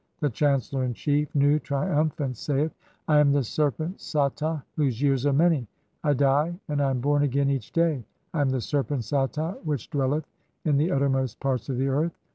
The chancellor in chief (2), Nu, triumphant, saith :— (3) "I am the serpent Sata whose years are many. 1 I die and I "am born again each day. I am the serpent Sata which dwell "eth in the uttermost parts of the earth.